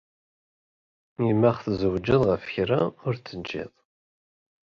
I max tzawgd xf kra ur t tgid?